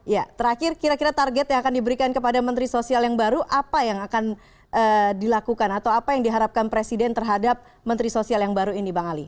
ya terakhir kira kira target yang akan diberikan kepada menteri sosial yang baru apa yang akan dilakukan atau apa yang diharapkan presiden terhadap menteri sosial yang baru ini bang ali